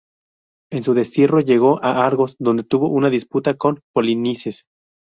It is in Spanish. En su destierro llegó a Argos, donde tuvo una disputa con Polinices.